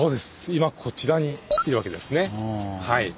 今こちらにいるわけですね。